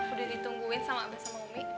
udah ditungguin sama abah sama umi